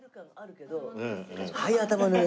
はい頭の上。